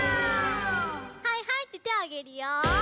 はいはいっててをあげるよ！